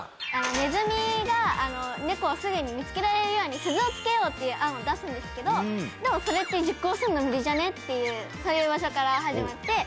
ねずみが猫をすぐに見つけられるように鈴を付けようっていう案を出すんですけどでもそれって実行するの無理じゃね？っていうそういううわさから始まって。